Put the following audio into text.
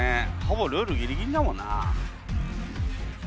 ほぼルールギリギリだもんなあ。